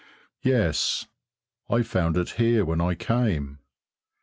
Yes, I found it here when I came.